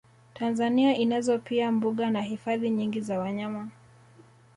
Tanzania inazo pia mbuga na hifadhi nyingi za wanyama